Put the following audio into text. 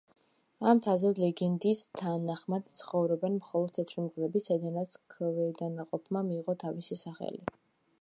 ამ მთაზე ლეგენდის თანახმად ცხოვრობენ მხოლოდ თეთრი მგლები, საიდანაც ქვედანაყოფმა მიიღო თავისი სახელი.